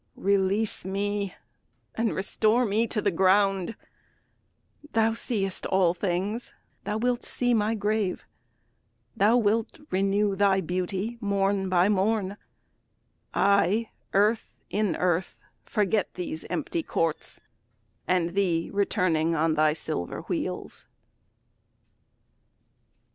Release me, and restore me to the ground; Thou seest all things, thou wilt see my grave: Thou wilt renew thy beauty morn by morn; I earth in earth forget these empty courts, And thee returning on thy silver wheels.